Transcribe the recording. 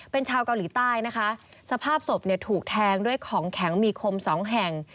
เป็นชาวเกาหลีใต้นะคะสภาพศพเนี่ยถูกแทงด้วยของแข็งมีคมสองแห่ง